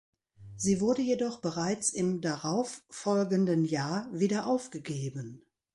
Sie wurde jedoch bereits im darauffolgenden Jahr wieder aufgegeben.